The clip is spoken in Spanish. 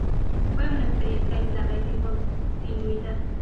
Fue una experiencia aislada y sin continuidad.